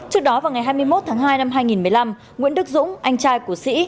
trước đó vào ngày hai mươi một tháng hai năm hai nghìn một mươi năm nguyễn đức dũng anh trai của sĩ